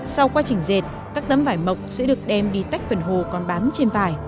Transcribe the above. sau quá trình dệt các tấm vải mộc sẽ được đem đi tách phần hồ còn bám trên vải